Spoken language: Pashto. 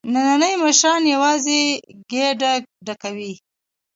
نني مشران یوازې ګېډه ډکوي.